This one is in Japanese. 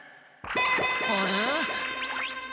あれ？